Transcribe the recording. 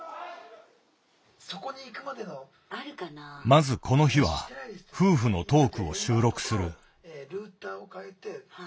まずこの日は夫婦のトークを収録する。